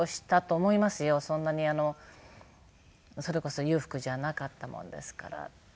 そんなにそれこそ裕福じゃなかったものですから。